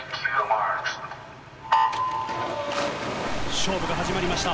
勝負が始まりました。